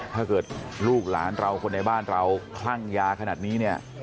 ถ้าเกิดลูกหลานเราคนในบ้านเราคลั่งยาขนาดนี้เนี่ย